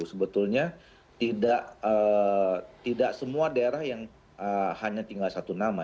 sebetulnya tidak semua daerah yang hanya tinggal satu nama